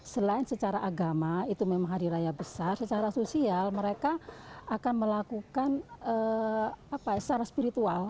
selain secara agama itu memang hari raya besar secara sosial mereka akan melakukan secara spiritual